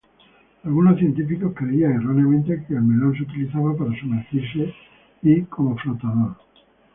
Algunos científicos creían erróneamente que el melón se utilizaba para sumergirse y como flotador.